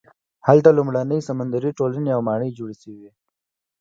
هلته لومړنۍ سمندري ټولنې او ماڼۍ جوړې شوې.